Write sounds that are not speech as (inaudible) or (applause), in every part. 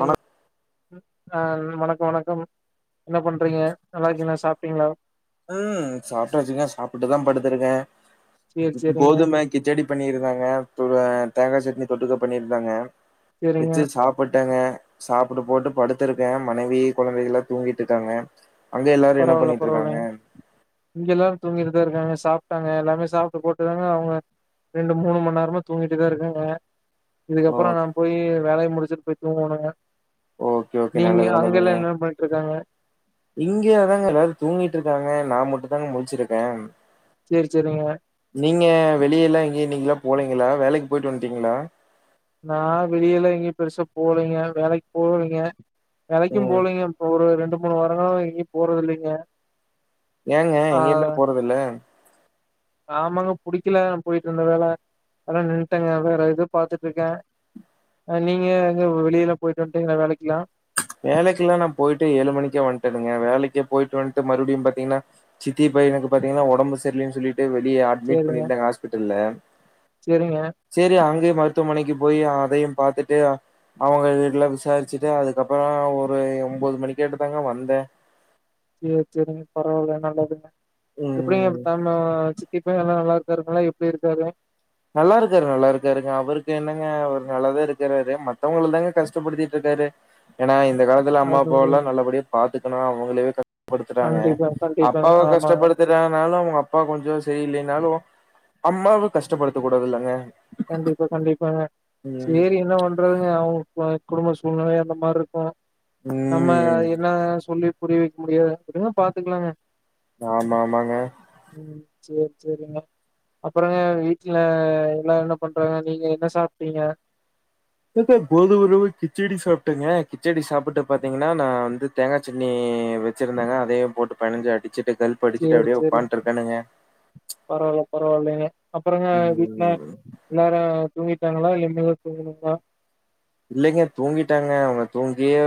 வணக் ம் ஆ வணக்கம் வணக்கம் என்ன பண்றீங்க நல்லாருக்கீங்களா சாப்டீங்களா ம் சாப்டாச்சுங்க சாப்டுட்டுதா படுத்திருக்கே சேரி சேரிங்க கோதுமய் கிச்சடி பண்ணியிருந்தாங்க தெ தேங்காய் சட்னி தொட்டுக்க பண்ணிருந்தாங்க சேரிங்க வெச்சு சாப்பிட்டேங்க சாப்ட்டு போட்டு படுத்திருக்கே மனைவி கொழந்தைங்களா தூங்கிட்டு இருக்காங்க அங்க எல்லாரு என்ன பரவால்ல பண்ணிட்டு பரவால்லை இருக்காங்க இங்க எல்லா தூங்கிட்டுதா இருக்காங்க சாப்டாங்க எல்லாமே சாப்டு போட்டுதாங்க அவங்க ரெண்டு மூணு மணி நேரமா தூங்கிட்டுதா இருக்காங்க ஓ இதுக்கப்புறோ நா போயீ வேலய முடிச்சிட்டு போயி்ட் தூங்கனுங்க ஓகே ஓகே நீங்க நல்லது நல்லதுங்க அங்கெல்லா என்னா பண்ணிட்டு இருக்காங்க இங்க அதாங்க எல்லாரூ தூங்கிட்டு இருக்காங்க நா மட்டுதாங்க முழிச்சிருக்கே சேர் செரிங்க நீங்க வெளிய யில்லா ‌எங்க நீங்களா போலீங்களா வேலைக்கு போயிட்டு வந்ட்டீங்களா நா வெளியிலா எங்கயூ பெருசா போலீங்க வேலைக்கு போவ்லீங்க வேலைக்கூ ம் போலீங்க இப்ப ஒரு ரெண்டு மூணு வாரோ எங்கயூ போறத்து இல்லீங்க ஏங்க எங்கேயுமே போறது இல்ல ஆமாங்க புடிக்கல போயிட்டு இருந்த வேல அதா நின்ட்டேங்க வேற எத பாத்துட்டு இருக்கே நீங்க எங்க வெளியிலா போயிட்டு வந்ட்டீங்களா வேலைக்கலா வேலைக்கெல்லா நா போயிட்டு ஏழு மணிக்கே வந்ட்டேனூங்க வேலைக்கே போயிட்டு வந்ட்டு மறுபடியூ பாத்தீங்கன்னா சித்தி பையனுக்கு பாத்தீங்கன்னா ஒடம்பு சரியில்லன்னு சொல்லிட்டு வெளியே ஆட் அட்மிட் சேரிங்க பண்ணிருந்தாங்க ஹாஸ்பிட்டல்ல சேரிங்க சேரி அங்கயே மருத்துவமனைக்கு போய் அதையு பாத்துட்டு அ அவுங்க வீடுலா விசாரிச்சிட்டு அது அப்பறோ ஒரு ஒம்போது மணிக்காட்டோ தாங்க வந்தே சேர் சேரிங்க பரவால்ல நல்லதுங்க எப்படிங்க ம். (unintelligible) இப்பயூ எல்லா நல்லா இருக்காருங்களா எப்படி இருக்காரு நல்லா இருக்காரு நல்லா இருக்காருங்க அவருக்கு என்னங்க அவர் நல்லாதா இருக்கறாரு மத்தவங்கள தாங்க கஷ்டப்படுத்திட்ருக்காரு ஏன்னா இந்த காலத்துல அம்மா அது ஒரு அப்பாவல்லா நல்லபடியா பாத்துக்கணு அவங்களே க படுத்துறாங்க கண்டிப்பா கண்டிப்பாங்க அப்பாவு ஆமாங்க கஷ்டப்படு றனாலு அவுங்க அப்பா கொஞ்சோ செரியில்லனாலு அம்மாவு கஷ்டப்படுத்த கூடாதுல்லங்க கண்டிப்பா கண்டிப்பாங்க சேரி ம் என்ன பண் றதுங்க அவங் கோ குடும்ப சூழ்நிலை அந்த மார்ருக்கு நம்ம ம் என்னாங்கசொல்லி புரிய வெக் முடியாது விடுங்க பாத்துக்கலாங்க ஆமா ஆமாங்க ம் சேர் சேரிங்க அப்பறோங்க வீட்டுல எல்லா என்ன பண்றாங்க நீங்க என்ன சாப்ட்டீங்க இப்ப கோதும ரவ கிச்சடி சாப்ட்டங்க கிச்சடி சாப்பட்டு பாத்திங்கன்னா நா வந்து தேங்கா சட்னி வெச்சிருந்தாங்க அதையூ போட்டு பெனாஞ்சு அடிச்சிட்டு கள் சேர் சேரிங் பரவால்ல பரவால்லிங்க அப்பறங்க வீட்ல ம் எல்லாரு தூங்கிட்டாங்களா இல்ல இனிமேல் தா தூங்கணுங்களா இல்லங்க தூங்கிட்டாங்க அவுங்க தூங்கியே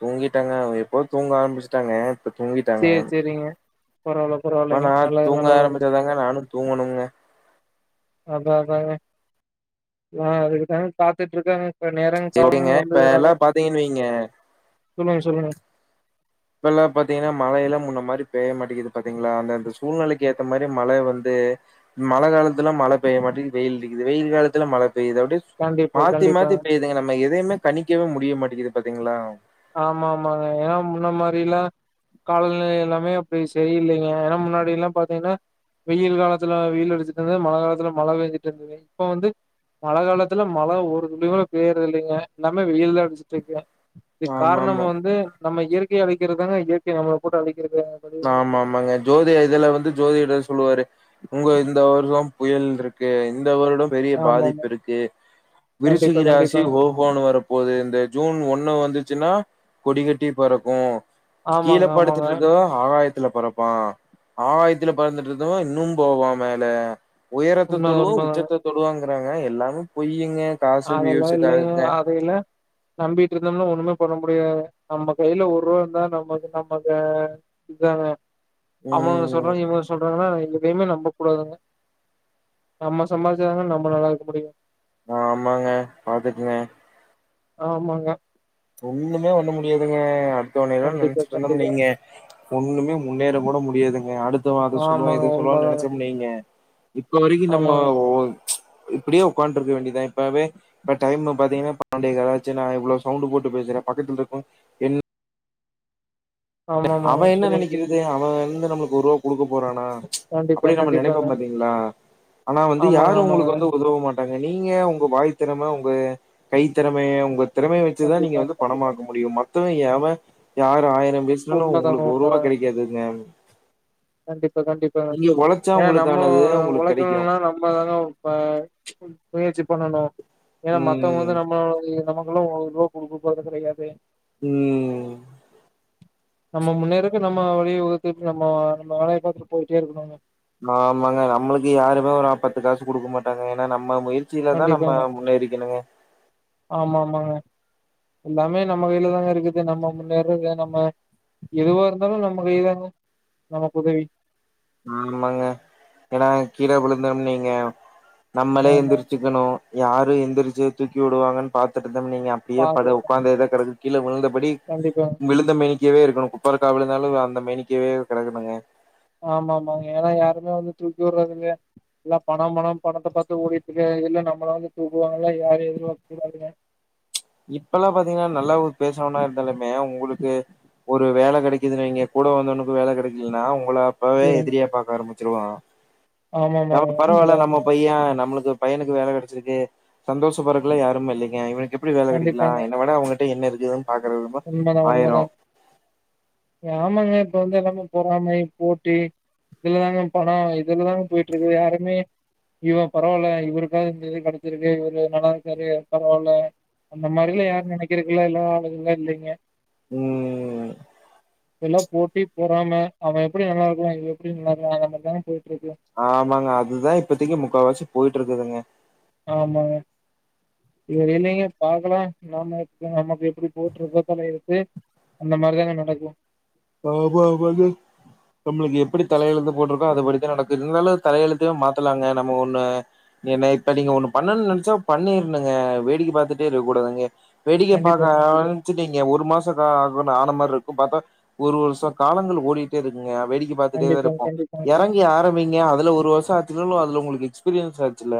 தூங்கிட்டாங்க அவங்க எப்பவோ தூங்க ஆரம்பிச்ட்டாங்க சேர் சேரிங்க பரவால்ல பரவால்லைங்க போனா நல்லது தூங்க நல்லதுங்க ஆரம்பிச்சாதாங்க நானு தூங்கணும்ங்க அதா அதாங்க நா அதுக்குதாங்க காத்துட்ருக்கங்க க நேரம் காலம் சேரிங்க இப்ப எல்லா வந்துதுனாலே பாத்தீங்கன்னு வைங்க சொல்லுங்க சொல்லுங்க இப்பல்லா பாத்தங்கன்னா மழையெல்லா முன்ன மாரி பெய்ய மாட்டிக்குது பாத்திங்ளா அந்தந்த சூழ்நெலைக்கு ஏத்த மாரி மழ வந்து மழ காலத்துலா மழ பெய்ய மாட்டிகுது வெயில் அடிக்குது வெயில் காலத்துல மழ பெய்து அப்டே கண்டிப்பா மாத்தி மாத்தி கண்டிப்பாங்க பேய்துங்க நம்ம எதையுமே கணிக்கவே முடிய மாட்டிக்குது பாத்திங்ளா ஆமா ஆமாங்க ஏன்னா முன்ன மாரிலா காலநிலை எல்லாமே அப்படி செரியில்லைங்க எனா முன்னாடி எல்லா பாத்திங்ன்னா வெயில் காலத்துல வெயில் அடிச்சிட்டு இருந்துது மழ காலத்துல மழ பேஞ்சுட்ருந்துது இப்ப வந்து மழ காலத்துல மழ ஒரு துழிகூட பேயறது இல்லைங்க எல்லாமே வெயில்தா அடிச்சிட்ருக்கு இதுக் ஆமா காரணம் ஆமா வந்து நம்ம இயற்கைய அழிக்கறதுதாங்க இயற்கை நம்மள போட்டு அழிக்கறது ஆமாம்மாங்க ஜோதியா இதுல வந்து ஜோதிடர் சொல்லுவாரு உங்க இந்த வருஷோ புயல்ருக்கு இந்த வருடம் பெரிய ஆமாமா. பாதிப்பு இருக்கு கண்டிப்பா, விருச்சிகராசி கண்டிப்பாங்க. ஓ ஹோன்னு வரப்போது இந்த ஜூன் ஒண்ணு வந்துச்சுன்னா கொடிகட்டி பறக்கூ கிழ ஆமாங்க, ஆமாங்க. படுத்துட்ருக்கோ ஆகாயத்துல பறப்பா ஆகாயத்துல பறந்துட்ருதவ இன்னு போவா மேல உயரத்த உண்ம தொடுவோ உண்மதாங்க. உச்சத்த தொடுவாங்றாங்க எல்லாமே பொய்யிங்க அதல்லா இல்லைங்க அது இல்ல நம்பீட்ருந்தம்ன்னா ஒண்ணுமே பண்ண முடியாது நம்ப கைல ஒர்ருவா இருந்தா நமக்கு நம்மக்கு இதாங்க அவங்க ம் சொல்றாங்க இவங்க சொல்றாங்கன்னா எதயுமே நம்பக்கூடாதுங்க நம்ம சம்பாரிச்சாதா நம்ம நல்லா இருக்க முடியு ஆமாங்க பாத்துக்குங்க ஆமாங்க ஒண்ணுமே பண்ண முடியாதுங்க அடுத்தவனேல்ல கண்டிப்பா, நெனைச்சிட்டு இருந்தோ கண்டிப்பா. வைங்க ஒண்ணுமே முன்னேற கூட முடியாதுங்க அடுத்தவ அத சொல்லுவா ஆமாங்க. இத சொல்லுவான்னு உண்மதாங்க. நெனைச்சோம் வைங்க இப்ப வரிக்கு நம்ம ஆமாங்க. இப்டியே உக்காண்டருக்க வேண்டியதா இப்பவே இப்ப டைமு பாத்தீங்கன்னா பன்னென்டே காலாச்சு நா இவ்ளோ சவுண்ட் போட் டு பேசுற பக்கத்தல இருக்கவங்க என்ன ஆமாமாங்க. அவன் என்ன சொல்லுங்க, சொல்லுங்க. நெனக்கிறது அவன் வந்து நம்மளுக்கு ஒருவா குடுக்க போறானா கண்டிப்பா, அப்டி நம்ம நெனைப்போ கண்டிப்பாங்க. பாத்தீங்ளா ஆனா வந்து ஆமாங்க, யாரு ஆமாங்க. உங்களுக்கு வந்து உதவ மாட் டாங்க நீங்க உங்க வாய் திறம உங்க கை திறமைய உங்க திறமைய வச்சுதா நீங்க கண்டிப்பா, வந்து பணமா கண்டிப்பா. க்கமுடியு மத்தவன் எவன் யார ஆயிரோ பேசுனாலு உண்மதாங்க, உங்களுக்கு ஒருவா உண்மதாங்க. கெடைக்காதுங்க கண்டிப்பா கண்டிப்பா நீங்க ஒழைச்சா ஏனா நம்ம உங்களுக்கானது உங்களுக்கு கெடைக்கு உலக்குனுனா நம்மதாங்க இப்ப முயற்சி பண்ணணு ஏனா மத்தவங்க ம் வந்து நம்ம நம நம்ளு ஒருவா குடுக்க போறது கிடையாது ம் நம்ம முன்னேறக்கு நம்ம வழிய வகுத்துட்டு நம்ம நம்ம வேலயை பாத்துட்டு போயிட்டே இருக்குணுங்க ஆமாங்க நம்மளுக்கு யாருமே ஒரு பத்து காசு குடுக்க மாட்டாங்க ஏனா நம்ம முய ற்சில தா நம்ம கண்டிப்பாங்க முன்னேறிக்குணுங்க ஆமா ஆமாங்க எல்லாமே நம்ம கையில தாங்க இருக்குது நம்ம முன்னேறது நம்ம எதுவா இருந்தாலு நம்ம கைதாங்க நமக்கு உதவி ஆமாங்க ஏனா கீழ விழுந்தோம்னா வைங்க நம்மளே ஆமா எழுந்துச்சு க்குனு யாரு எந்திரிச்சு தூக்கி விடுவாங்கன்னு பாத்துட் இருந்தோ வைங்க நீங்க அப்படியே படு உக்காந்தே கெடக் கீழ உளுந்தபடி கண்டிப்பா விழுந்த மேனிக்கவே இருக்குணு குப்பறக்க விழுந்தாலு அந்த மேனிக்கவே கெடக்கணுங்க ஆமா ஆமா ஏனா யாருமே வந்து தூக்கி விர்றதுல்லயா எல்லா பணோ பணோ பணத்த பாத்து ஓடிட்டுருக்கல்ல நம்மள வந்து தூக்குவாங்களா யாரு எதிர்பாக்க கூடாதுங்க இப்பெல்லா பாத்தீங்கன்னா நல்லா பேசவாணோ இருந்தாலுமே உங்களுக்கு ஒரு வேல கெடைக்குதுன்னு வைங்க கூட வந்தவனுக்கு வேல கெடைக்கலன்னா உங்கள அப்பவே சரிங்க எதிரியா பாக்க ஆரம்பிச்சிருவா ஆமா நம்ம ஆமாங்க பரவால்ல உண்மதா நம்ம பைய நம்மளுக்கு பையனுக்கு வேல கெடச்சிருக்கு சந்தோஷப்பறக்குல யாருமே இல்லைங்க இவனுக்கு எப்டி வேல கெடைக்கலா என்ன வேட அவன்கிட்ட என்ன இருக்கு உண்மதா‌ உண்மதா (unintelligible) யாமாங்க இப்ப வந்து எல்லாமே பொறாமை போட்டி இதுலதாங்க பணோ இதுலதாங்க போயிட்டு இருக்கு யாருமே இவன் பரவாயில்ல இவருக்காவுது இந்த இது கெடைச்சிருக்கு இவுரு நல்லா இருக்காரு பரவால்ல அந்த மாரில்லா யார் நெனைக்குறக்குல்ல எல்லா ஆளுகல்லா இல்லிங்க ம் எல்லா போட்டி பொறாம அவன் எப்டி நல்லா இருக்குலா இவன் எப்டி நல்லா இருக்குலா அந்த மாதிரிதாங்க போயிட் இருக்கு ஆமாங்க அதுதா இப்பத்திக்கு முக்காவாசி போயிட் இருக்குதுங்க ஆமாங்க இல்லிங்க பாக்கலா நம் நமக்கு எப்டி போட்டு இருக்கோ தல எழுத்து அந்த மாரிதாங்க நடக்கு ஆமா ஆமாங்க நம்மளுக்கு எப்டி தலயெழுத்து போட்டிருக்கோ அதுபடித்தா நடக்கு இருந்தாலு தலையழுத்தவே மாத்தலாங்க நம்ம ஒண்ணு ஏண்ணே இப்ப நீங்க ஒண்ணு பண்ணும்னு நெனைச்சா பண்ணிருனுங்க வேடிக்க பாத்துட்டே இருக்கக் கூடாதுங்க வெடிக்க பாக்க கண்டிப்பாங்க, கண்டிப்பா, ஆரம்பிச்சுட்டீங்க ஒரு மாச காலோ ஆகு ஆன மாரி இருக்கு பாத்தா ஒரு வருஷம் காலங்கள் ஓடிட்டே இருக்குங்க வேடிக்க பாத்திட்டே தா கண்டிப்பாங்க, இருப்போ கண்டிப்பாங்க. இறங் கி ஆரம்பிங்க அதுல ஒரு வருஷம் ஆச்சனாலும் அது உங்களுக்கு எக்ஸ்பீரியன்ஸ் ஆச்சல்ல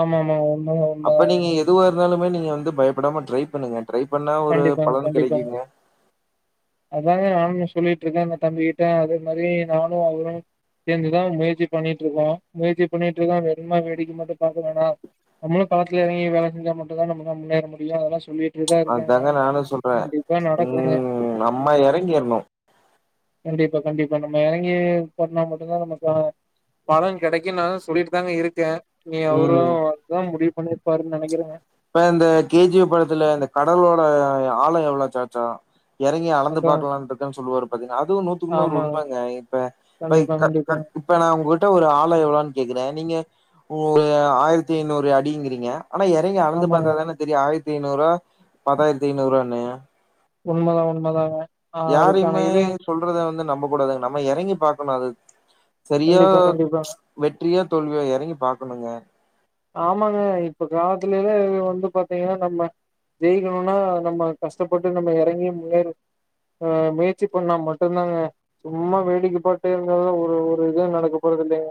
ஆமா ஆமா உண்மதா உண்மதா எதுவா இருந்தாலுமே நீங்க வந்து பயப்படாம ட்ரை பண்ணுங்க ட்ரை பண்ணா ஒரு கண்டிப்பாங்க, பலன் கிடைக்குங்க அதானங்க நானு சொல்லிட்டு இருக்கேன் அந்த தம்பிக்கிட்ட அதே மாரி நானு அவரு சேந்துதா முயற்சி பண்ணிட்டு இருக்கோ முயற்சி பண்ணிட்டு இருந்தா வெறும்மா வேடிக்கா மட்டு பாக்க வேணா நம்ளு களத்துல இறங்கி வேல செஞ்ச மட்டு தா நமள முன்னேற முடியும் அதல்லா சொல்லி இருந்த அதாங்க நானு சொல்றே ம் நம்ம இறங்கிறணு கண்டிப்பா கண்டிப்பா நம்ம இறங்கி போனா மட்டுதா நம்ம பா பலன் கிடைக்கு நா சொல்லிட்டு தாங்க இருக்கே நீ அவரு ம் அதா முடிவு பண்ணிருப்பாருன்னு நினைக்கிறே இப்ப இந்த கே ஜி எப் படத்துல இந்த கடலோட ஆலையா எவ்ளா சாச்சா இறங்கி அளந்து அதான். பாக்கலான்ட்டு இருக்க சொல்லுவாரு பாத்தீங்க அதுவு நூத்துக்குன்னூறு ஆமாங்க. உண்மங்க இப்ப பை கண்டிப்பா, கா ஆ கண்டிப்பாங்க. இப்ப நா உங்ககிட்ட ஒரு ஆழ எவ்ளோனு கேக்குறே நீங்க ஒரு ஆயிரத்தி ஐநூறு அடிங்கறீங்க ஆனா எறங் கி ஆமாங்க. பாத்தாத்தானே தெரியு ஆயிரத்த ஐநூறா பத்தாயிரத்தி ஐநூறானு உண்மதா உண்மதாங்க ஆ அதுக்கான யாரைமே இது சொல்றத வந்து நம்ப கூடாதுங்க நம்ம இறங்கி பாக்கணு அது செரியோ கண்டிப்பா, கண்டிப்பாங்க. ம்ச் வெற்றியோ தோல்வியோ இறங்கி பாக்கணுங்க ஆமாங்க இப்ப கிராமத்துலேலா வந்து பாத்தீங்கன்னா நம்ம ஜெயிக்கணும்னா நம்ம கஷ்டப்பட்டு நம்ம இறங்கி முன்னேற ஆ முயற்சி பண்ணா மட்டுந்தாங்க சும்மா வேடிக்கப்பட்டே இருந்தால ஒரு ஒரு இது நடக்க போறது இல்லங்க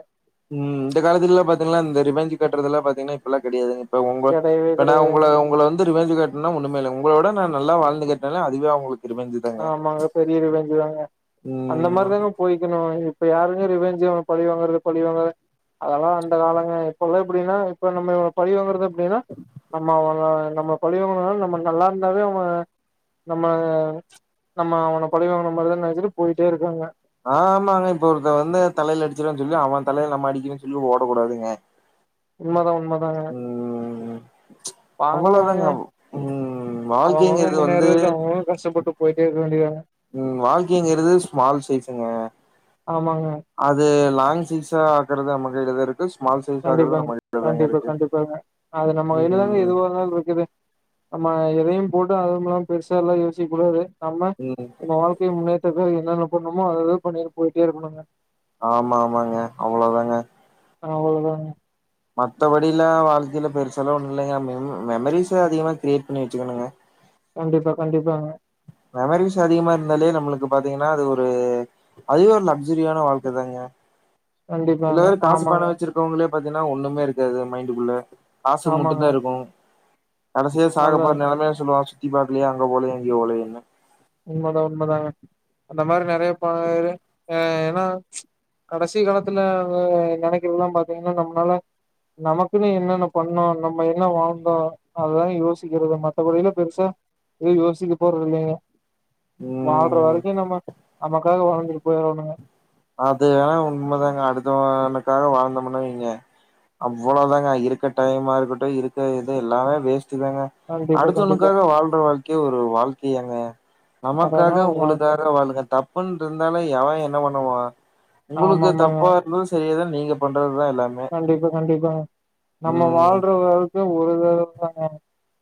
ம் இந்த காலத்துலல்லா பாத்தீங்கன்னா இந்த ரிபஞ்ச் கட்டுறதுல்லா பாத்தீங்கன்னா இப்பல்லா கிடையாதுங்க இப்ப உங்க கெடையவே இப்ப நா கெடையாது உங்கள உங்கள வந்து ரீவென்ஜ் கட்னன்னா ஒண்ணுமே இல்ல உங்கள விட நா நல்லா வாழ்ந்து காட்னாலே அதுவே அவங்களுக்கு ரீவென்ஜ்ஜு ஆமாங்க பெரிய ரீவேஞ்சுதாங்க அந்த ம் மாரிதாங்க போய்க்கணு இப்ப யாருங்க ரிவேஞ்சி அவ பலி வாங்குறது பலி வாங்குறது அதெல்லா அந்த காலங்க இப்பவே எப்டின்னா இப்ப நம்ம இ பழி வங்கறத ன்னா நம்ம அவள நம்ம பலி வாங்குறதுனா நம்ம நல்லா இருந்தாவே அவங்க நம்ம ம்ச் நம்ம அவன பழிவங்கன மாரிதா நினச்சிட்டு போயிட்டே இருக்காங்க ஆமாங்க இப்ப ஒருத்த வந்து தலையில அடிச்சுருவானு சொல்லி அவ தலையில நம்ம அடிக்கணன்னு சொல்லி ஓடக்கூடாதுங்க உண்மதா உண்மதாங்க ம் ம்ச் அவ்ளோதாங்க ம் அவ அவங்க வாழ்க்கைங்கிறது வந்து முன்னேறதுக்கு அவங்க அவங்க கஷ்டப்பட்டு போயிட்டே இருக்க வேண்டியதாங்க ம் வாழ்க்கைங்கிறது ஸ்மால் சைஸ்ங்க ஆமாங்க அது லாங்ச் சைஸா ஆக்குறது நம்ம கைலாதா இருக்கு ஸ்மால் சைஸ் ஆக்குறது நம்ம கைலாதாங்க இருக்கு எப்பவுமே அது நம்ம கைலாதாங்க ம் எதுவா இருந்தாலு இருக்குது நம்ம எதையு போட்டு அதுவுமல்லாமா பெரிசாயெல்லா யோசிக்க கூடாது நம்ம ம் நம்ம வாழ்க்கை முன்னேற்றதுக்கு என்னென்ன பண்ணணுமோ அத அத பண்ணிட்டு போயிட்டே இருக்கணுங்க ஆமா ஆமாங்க அவ்ளோதாங்க அவ்ளோ தாங்க மத்தபடியில வாழ்க்கையில பெருசாலாஒண்ணு இல்லங்க மெமரிஸ்ஸ அதிகமா கிரியேட் பண்ணி வச்சுக்கணுங்க கண்டிப்பா கண்டிப்பாங்க மெமரிஸ் அதிகமா இருந்தாலே நம்மளுக்கு பாத்தீங்கன்னா அது ஒரு அதுவே ஒரு லக்சுரியான வாழ்க்க தாங்க சில கண்டிப்பாங்க பேரு காசு பண ஆமாங்க வச்சிருப் இருக்கவங்களே பாத்தீங்கன்னா ஒண்ணுமே இருக்காது மைண்ட்கு ல்ல ஆச மட்டு ஆமாங்க தா இருக்கு கடைசியா நல்ல சாகப்போற நெலமையில சொல்லுவா சுத்தி பாக்கலையா அங்க போலேயா இங்கெபோலயானு உண்மதா உண்மதாங்க அந்த மாதிரி நெறைய பேரு ஏனா கடைசி காலத்துல அவங்க நெனைக்கிறல்லா பாத்தீங்கன்னா நம்மளால நமக்குன்னு என்னென்ன பண்ணோ நம்ம என்ன வாழ்ந்தோ அததா யோசிக்கிறது மத்த படியெல்லா பெருசா யோசிக்க போரது இல்லிங்க வாழ்ற ம் வரைக்கு நம்ம நமக்காக வாழ்ந்துட்டு போயிரணுங்க அது வேணா உண்மைதாங்க அடுத்தவனுக்காக வாழ்ந்தோம்னு வைங்க அவ்ளோதாங்க இருக்க டைமா இருக்கட்டு இருக்க இது எல்லாமே வேஸ்டு தாங்க கண்டிப்பா கண்டிப்பா அடுத்தவனுக்காக வாழ்ற வாழ்க்கைய ஒரு வாழ்க்கையாங்க அதாங்க நமக்காக வாழ்க்க உங்களுக்காக வாழுங்க தப் தப்புனு இருந்தால எவெ என்ன பண்ணுவா ஆமா உங்களுக்கு ஆமாங்க தப்பா இருந்து தெரியதா நீங்க பண்றது தா எல்லாமே கண்டிப்பா கண்டிப்பா நம்ம ம் வாழ்ற வாழ்க்க ஒரு தறதாங்க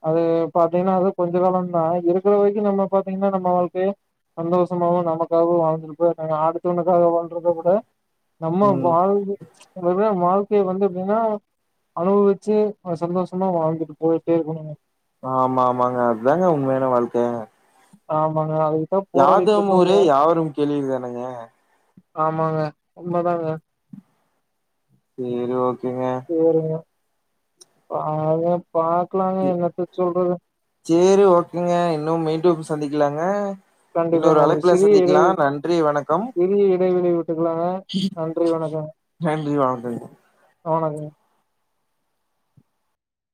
அது பாத்தீங்கன்னா அது கொஞ்ச காலம் தா இருக்கிற வரைக்கும் நம்ம பாத்தீங்கன்னா நம்ம வாழ்க்கயெ சந்தோஷமாவு நமக்காகவு வாழ்ந்திருப்ப அடுத்தவனுக்காக வாழ்ற துகூட நம்ம ம் வாழ்ந்து வெ வாழ்க்கைய வந்து எப்டினா அனுபவிச்சு சந்தோஷமா வாழ்ந்துட்டு போய்ட்டே இருக்கணுங்க ஆமா ஆமாங்க அது தாங்கஉண்மையான வாழ்க்கெ ஆமாங்க அது யாதும் ஊரே யாவரும் கேளிர் தானங்க ஆமாங்க உண்மதாங்க சரி ஓகேங்க சேரிங்க பாரு பாக்கலாங்க என்னத்த சொல்றது சேரி ஓகேங்க இன்னும் மீண்டு சந்திக்கலாங்க இன்னொரு கண்டிப்பாங்க ஒரு அழைப்புல சிறிய சந்திக்கலா இடைவெளி நன்றி வணக்கம் சிறிய இடைவெளி விட் இப்பனா நன்றி வணக்கம் நன்றி வணக்கங்க அ வணக்கம்